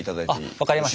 分かりました。